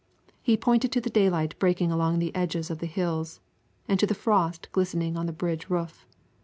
He pointed to the daylight breaking along the edges of the hills, and to the frost glistening on the bridge roof.